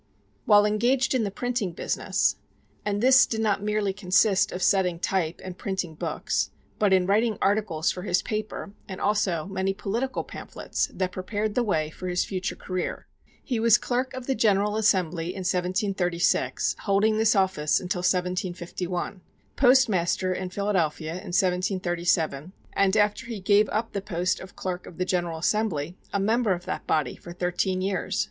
While engaged in the printing business (and this did not merely consist of setting type and printing books, but in writing articles for his paper and also many political pamphlets that prepared the way for his future career), he was clerk of the General Assembly in 1736 (holding this office until 1751); postmaster in Philadelphia in 1737; and, after he gave up the post of clerk of the General Assembly, a member of that body for thirteen years (1751 1764).